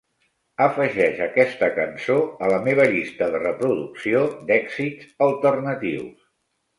Afegeix aquesta cançó a la meva llista de reproducció d'èxits alternatius